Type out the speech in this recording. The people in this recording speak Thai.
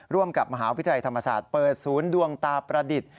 ร่วมกับมหาวิทยาลัยธรรมศาสตร์เปิดศูนย์ดวงตาประดิษฐ์